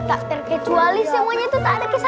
tak terkecuali semuanya itu tak ada kisah kisah